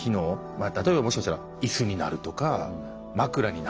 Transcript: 例えばもしかしたら椅子になるとか枕になるとか。